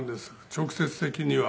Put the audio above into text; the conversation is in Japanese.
直接的には。